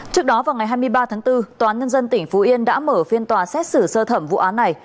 trước đó vào ngày hai mươi ba tháng bốn tòa án nhân dân tỉnh phú yên đã mở phiên tòa xét xử sơ thẩm vụ án này